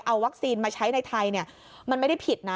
เอาวัคซีนมาใช้ในไทยมันไม่ได้ผิดนะ